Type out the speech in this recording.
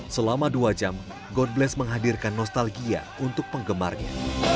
selama dua jam god bless menghadirkan nostalgia untuk penggemarnya